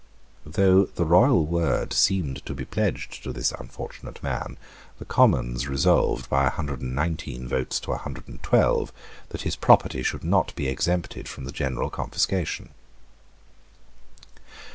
Though the royal word seemed to be pledged to this unfortunate man, the Commons resolved, by a hundred and nineteen votes to a hundred and twelve, that his property should not be exempted from the general confiscation.